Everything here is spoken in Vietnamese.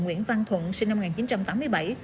nguyễn văn thuận sinh năm một nghìn chín trăm tám mươi bảy